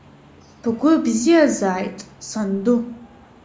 Бгәы бзиазааит, санду.